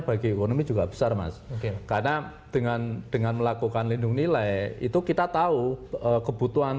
bagi ekonomi juga besar mas karena dengan dengan melakukan lindung nilai itu kita tahu kebutuhan